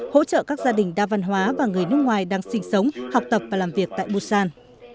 hỗ trợ các gia đình đa văn hóa và người nước ngoài đang sinh sống học tập và làm việc tại busan